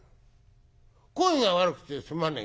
声が悪くてすまねえよ」。